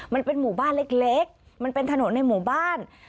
มันเป็นหมู่บ้านเล็กมันเป็นถนนในหมู่บ้าน